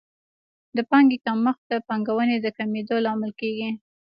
د پانګې کمښت د پانګونې د کمېدو لامل کیږي.